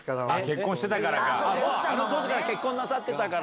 あの当時から結婚なさってたから。